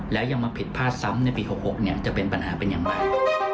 แล้วยังมาผิดพลาดซ้ำในปี๖๖จะเป็นปัญหาเป็นอย่างไร